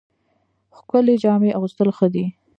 ښکلې جامې اغوستل ښه دي